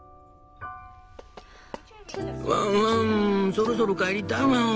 「ワンワンそろそろ帰りたいワン。